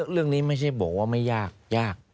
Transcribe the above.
เรื่องนี้ไม่ใช่บอกว่าไม่ยากยาก